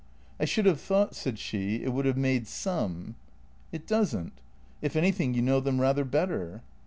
" I should have thought," said she, " it would have made some." "It doesn't. If anything, you know them rather better."